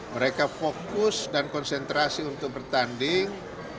mereka fokus dan konsentrasi untuk bertanding